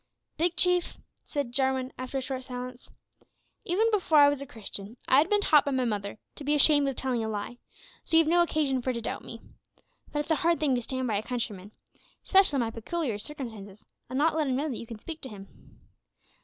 "Big Chief," said Jarwin, after a short silence, "even before I was a Christian, I had been taught by my mother to be ashamed of telling a lie, so you've no occasion for to doubt me. But it's a hard thing to stand by a countryman, specially in my pecooliar circumstances, an' not let him know that you can speak to him.